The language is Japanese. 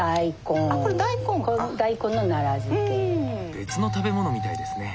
別の食べ物みたいですね。